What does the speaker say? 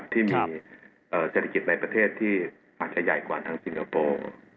ที่มีเศรษฐกิจในประเทศที่อาจจะใหญ่กว่าทางสิงคโปร์